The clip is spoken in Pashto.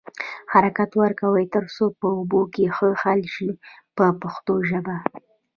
حرکت ورکړئ تر څو په اوبو کې ښه حل شي په پښتو ژبه.